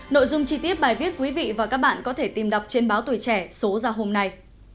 nội dung chi tiết bài viết quý vị và các bạn có thể tìm đọc trên báo tuổi trẻ số ra hôm nay